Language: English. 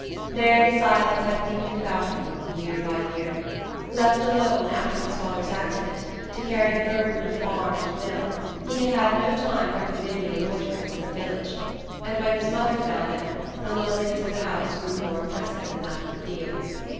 There the silence had deepened about him year by year. Left alone, after his father's accident, to carry the burden of farm and mill, he had had no time for convivial loiterings in the village; and when his mother fell ill the loneliness of the house grew more oppressive than that of the fields.